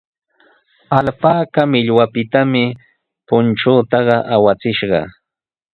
Alpaka millwapitami punchunta awachishqa.